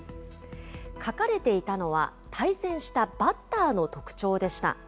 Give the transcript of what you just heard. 書かれていたのは、対戦したバッターの特徴でした。